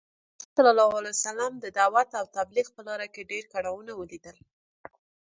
محمد ص د دعوت او تبلیغ په لاره کې ډی کړاوونه ولیدل .